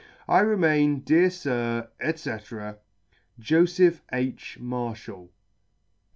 " I remain, Dear Sir, &c. " Joseph H. Marshall.